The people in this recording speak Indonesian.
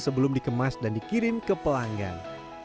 sebelum dikemas dan dikirim ke pelanggan